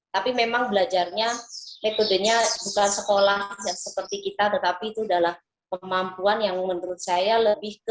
tapi memang belajarnya metodenya bukan sekolah seperti kita tetapi itu adalah kemampuan yang menurut saya lebih ke